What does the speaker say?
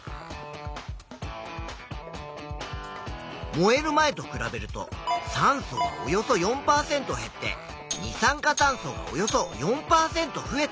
燃える前と比べると酸素がおよそ４％減って二酸化炭素がおよそ４％増えた。